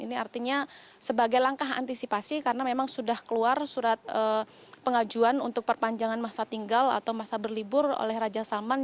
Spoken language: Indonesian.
ini artinya sebagai langkah antisipasi karena memang sudah keluar surat pengajuan untuk perpanjangan masa tinggal atau masa berlibur oleh raja salman